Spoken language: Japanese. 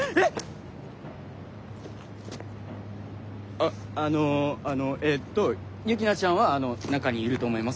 あっあのえっとユキナちゃんは中にいると思います。